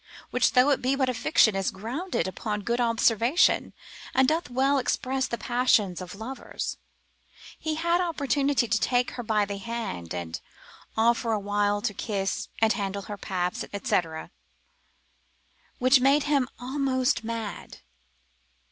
(which, though it be but a fiction, is grounded upon good observation, and doth well express the passions of lovers), he had opportunity to take her by the hand, and after a while to kiss, and handle her paps, &c., which made him almost mad.